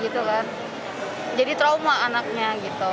jadi trauma anaknya gitu takutnya